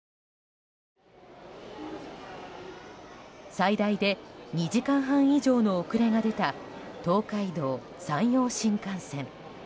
最大で２時間半以上の遅れが出た東海道・山陽新幹線。